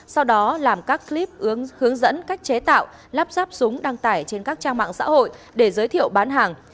sau đó làm các clip hướng dẫn cách chế tạo lắp ráp súng đăng tải trên các trang mạng xã hội để giới thiệu bán hàng